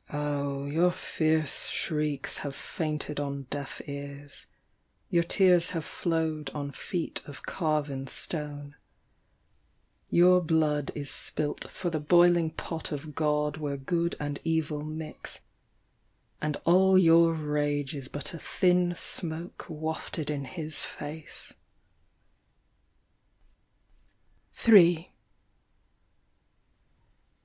( )h ' your tierce shrieks have fainted on deaf eai Your tears have flowed on feel ol > arven stone ; Your blood is ^pilt foi the boiling pot of I Where good and evil mix ; and all your i I s luit a thin smoke waited m His face. IRIS TREE.